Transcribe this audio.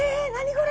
これ！